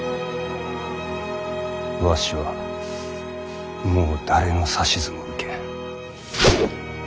わしはもう誰の指図も受けん。